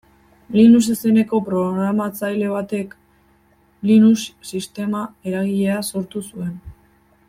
Linus izeneko programatzaile batek Linux sistema eragilea sortu zuen.